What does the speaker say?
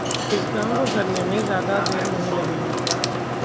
इस काम को करने में ज़्यादा देर नहीं लगेगी।